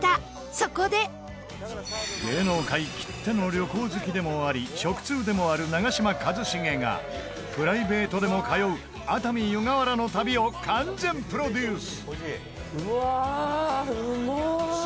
そこで芸能界きっての旅行好きでもあり、食通でもある長嶋一茂がプライベートでも通う熱海・湯河原の旅を完全プロデュース！